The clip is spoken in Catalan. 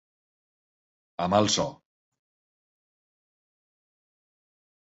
A mal so.